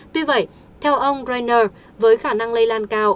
tuy vậy theo ông briner với khả năng lây lan cao